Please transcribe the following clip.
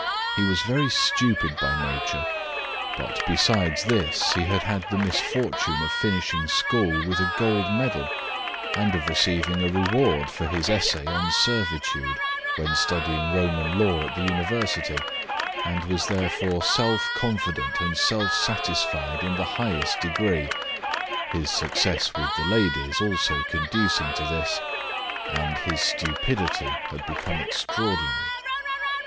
He was very stupid by nature, but, besides this, he had had the misfortune of finishing school with a gold medal and of receiving a reward for his essay on "Servitude" when studying Roman Law at the University, and was therefore self confident and self satisfied in the highest degree (his success with the ladies also conducing to this) and his stupidity had become extraordinary.